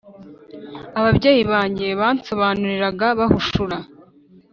ababyeyi banjye bansobanuriraga bahushura